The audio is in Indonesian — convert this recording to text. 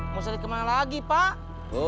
mau sedikit kemana lagi pak